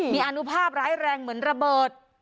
มีอนุภาพร้ายแรงเหมือนระเบิด